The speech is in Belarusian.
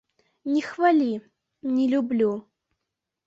Не хвалі, не люблю!